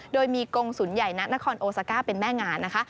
โดยมีกงศูนย์ใหญ่ณนครโอซาก้าเป็นแม่งานนะคะ